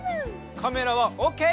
カメラはオッケー？